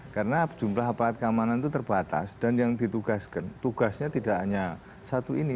karena jumlah aparat keamanan itu terbatas dan yang ditugaskan tugasnya tidak hanya satu ini